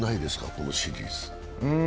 このシリーズ。